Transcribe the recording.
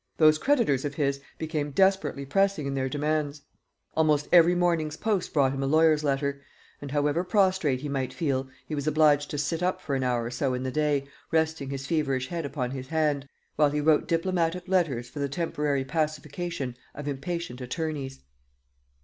Those creditors of his became desperately pressing in their demands; almost every morning's post brought him a lawyer's letter; and, however prostrate he might feel, he was obliged to sit up for an hour or so in the day, resting his feverish head upon his hand, while he wrote diplomatic letters for the temporary pacification of impatient attorneys.